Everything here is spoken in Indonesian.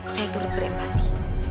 saya turut berempati